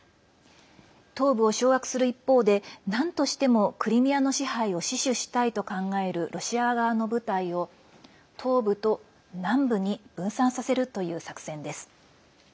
東部を掌握する一方でなんとしてもクリミアの支配を死守したいと考えるロシア側の部隊を、東部と南部に分散させるという作戦です。